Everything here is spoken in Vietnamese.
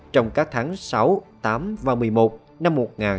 trong các tháng sáu tám và một mươi một năm một nghìn chín trăm chín mươi năm